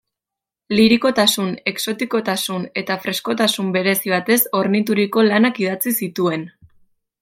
Lirikotasun, exotikotasun eta freskotasun berezi batez hornituriko lanak idatzi zituen.